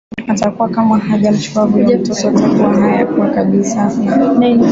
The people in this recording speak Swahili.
atakuwa kama hajamchukua huyo mtoto atakuwa haya kuwa kabisa na